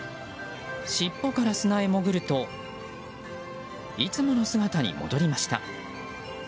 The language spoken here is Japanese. しっぽから砂へ潜るといつもの姿に戻りました。